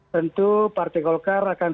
tentu partai golkar akan